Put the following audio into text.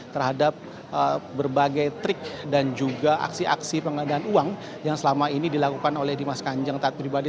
terhadap berbagai trik dan juga aksi aksi pengadaan uang yang selama ini dilakukan oleh dimas kanjeng taat pribadi